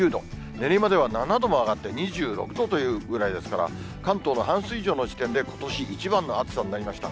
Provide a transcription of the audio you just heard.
練馬では７度も上がって２６度というぐらいですから、関東の半数以上の地点で、ことし一番の暑さになりました。